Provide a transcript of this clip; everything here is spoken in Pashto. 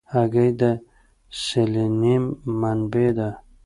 هګۍ د سلینیم منبع ده.